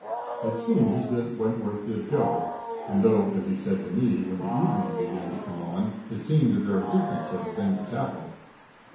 "It seems that Wentworth did go; and though, as he said to me, when the evening began to come on, it seemed a very different sort of thing to tackle.